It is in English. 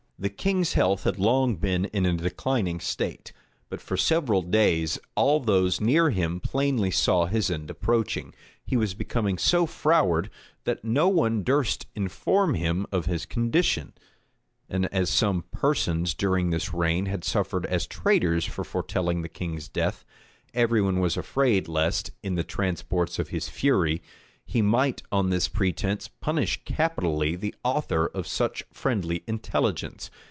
The king's health had long been in a declining state; but for several days all those near him plainly saw his end approaching. He was become so froward, that no one durst inform him of his condition; and as some persons during this reign had suffered as traitors for foretelling the king's death,[] every one was afraid lest, in the transports of his fury, he might on this pretence punish capitally the author of such friendly intelligence.